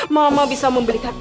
mama bisa memberikan